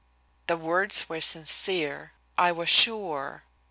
The words were sincere. I was sure.